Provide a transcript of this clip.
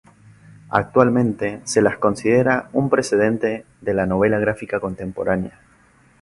Actualmente se las considera un precedente de la novela gráfica contemporánea.